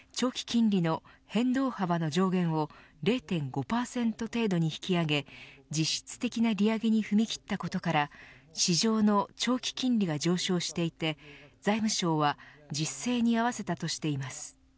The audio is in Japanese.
日銀が去年１２月に長期金利の変動幅の上限を０．５％程度に引き上げ実質的な利上げに踏み切ったことから￥市場の長期金利が上昇していて財務省は実勢に合わせたとしています。